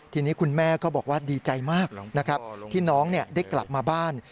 ทีนี้คุณแม่ก็บอกว่าดีใจมากนะครับที่น้องได้กลับมาบ้าน